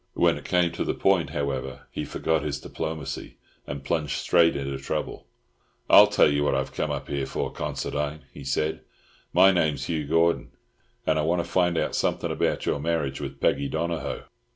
When it came to the point, however, he forgot his diplomacy, and plunged straight into trouble. "I'll tell you what I've come up here for, Considine," he said. "My name's Hugh Gordon, and I want to find out something about your marriage with Peggy Donohoe."